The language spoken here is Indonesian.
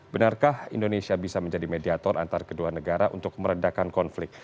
benarkah indonesia bisa menjadi mediator antar kedua negara untuk meredakan konflik